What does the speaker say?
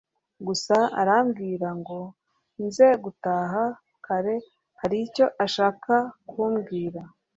gusa arambwirango nze gutaha kare hari icyo ashaka kumbwira